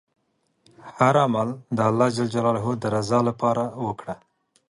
هر عمل د الله ﷻ د رضا لپاره وکړه.